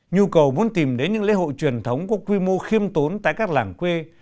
nhu cầu muốn tìm đến những lễ hội truyền thống có quy mô khiêm tốn tại các làng quê